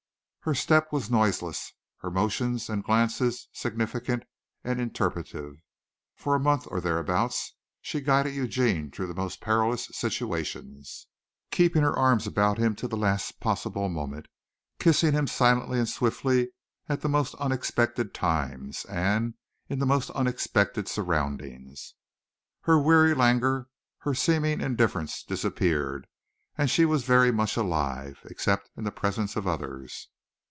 Her step was noiseless, her motions and glances significant and interpretative. For a month or thereabouts she guided Eugene through the most perilous situations, keeping her arms about him to the last possible moment, kissing him silently and swiftly at the most unexpected times and in the most unexpected surroundings. Her weary languor, her seeming indifference, disappeared, and she was very much alive except in the presence of others.